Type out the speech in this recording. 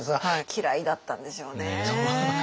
嫌いだったんでしょうね。